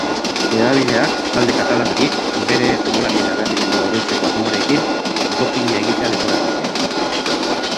Hedabideak talde katalanari bere futbolarien errendimendua hobetzeko asmoarekin dopina egitea leporatu zion.